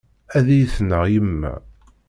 Ad iyi-tneɣ yemma.